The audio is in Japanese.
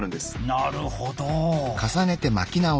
なるほど。